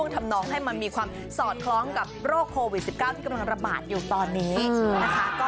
ทำนองให้มันมีความสอดคล้องกับโรคโควิด๑๙ที่กำลังระบาดอยู่ตอนนี้นะคะ